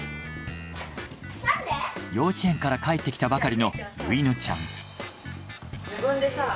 幼稚園から帰ってきたばかりのゆいのちゃん。